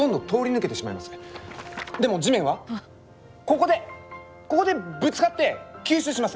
でも地面はここでここでぶつかって吸収します。